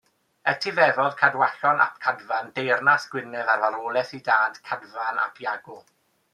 Etifeddodd Cadwallon ap Cadfan deyrnas Gwynedd ar farwolaeth ei dad, Cadfan ap Iago.